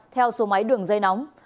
theo số máy đường dây nóng